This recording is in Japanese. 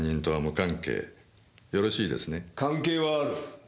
関係はある。